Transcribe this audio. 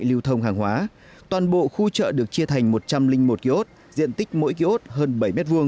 lưu thông hàng hóa toàn bộ khu chợ được chia thành một trăm linh một kiosk diện tích mỗi kiosk hơn bảy m hai